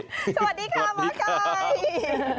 สวัสดีค่ะหมอไก่สวัสดีค่ะ